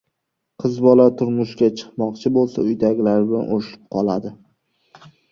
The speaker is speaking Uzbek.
• Qiz bola turmushga chiqmoqchi bo‘lsa, uyidagilari bilan urushib qoladi.